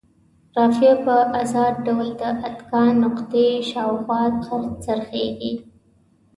رافعه په ازاد ډول د اتکا نقطې شاوخوا څرخیږي.